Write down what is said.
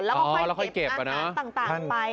แล้วก็ค่อยเก็บน้ำต่างไป